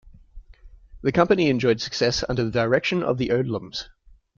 The company enjoyed success under the direction of the Odlums.